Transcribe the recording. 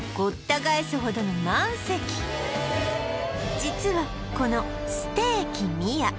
実はこのステーキ宮